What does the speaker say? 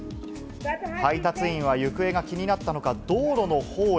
配達員は行方が気になったのか、道路の方へ。